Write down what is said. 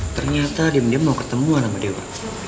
ternyata dia mau ketemuan sama dewa